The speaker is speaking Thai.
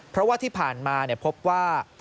เพราะว่าที่ผ่านมาพบว่า